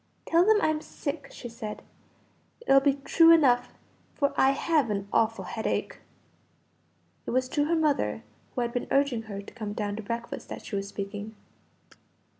"Tell them I'm sick," she said, "it'll be true enough, for I have an awful headache." It was to her mother who had been urging her to come down to breakfast, that she was speaking.